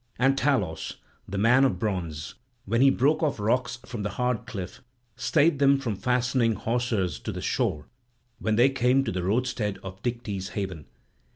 And Talos, the man of bronze, as he broke off rocks from the hard cliff, stayed them from fastening hawsers to the shore, when they came to the roadstead of Dicte's haven.